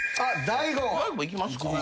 大悟いきますか。